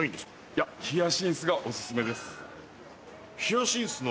いやヒヤシンスがお薦めです。